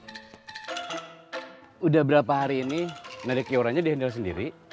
sudah berapa hari ini nari kiurannya dihendal sendiri